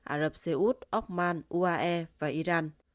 ả rập xê út úc man uae và iran